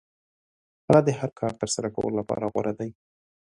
هغه د هر کار ترسره کولو لپاره غوره دی.